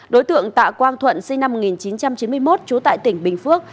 đối tượng tạ quang thuận sinh năm một nghìn chín trăm chín mươi một trú tại tỉnh bình phước